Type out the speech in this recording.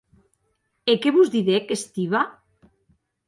E qué vos didec Stiva?